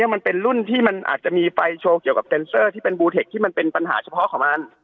มันเป็นรุ่นที่มันอาจจะมีไฟโชว์ที่มันเป็นปัญหาเฉพาะของมัน